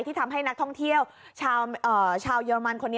ทำให้นักท่องเที่ยวชาวเยอรมันคนนี้